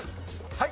はい。